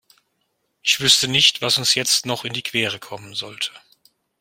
Ich wüsste nicht, was uns jetzt noch in die Quere kommen sollte.